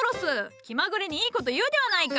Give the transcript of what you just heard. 気まぐれにいいこと言うではないか。